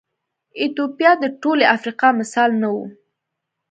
ایتوپیا د ټولې افریقا مثال نه و.